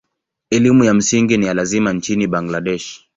Elimu ya msingi ni ya lazima nchini Bangladesh.